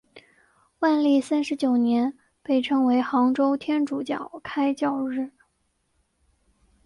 万历三十九年被称为杭州天主教开教日。